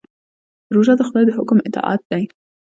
روژه د خدای د حکم اطاعت دی.